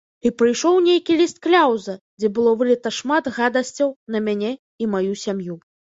І прыйшоў нейкі ліст-кляўза, дзе было выліта шмат гадасцяў на мяне і маю сям'ю.